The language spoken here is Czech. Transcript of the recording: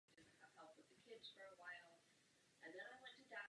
Chtěla bych podat ústní pozměňovací návrh.